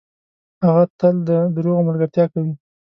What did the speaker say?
هغه تل ده دروغو ملګرتیا کوي .